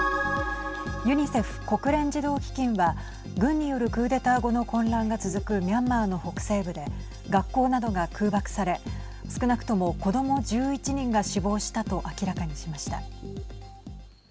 ユニセフ＝国連児童基金は軍によるクーデター後の混乱が続くミャンマーの北西部で学校などが空爆され少なくとも子ども１１人が死亡したと明らかにしました。